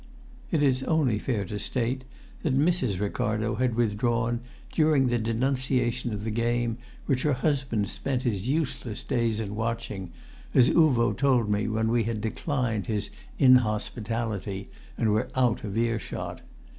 It is only fair to state that Mrs. Ricardo had withdrawn during the denunciation of the game which her husband spent his useless days in watching, as Uvo told me when we had declined his inhospitality and were out of earshot.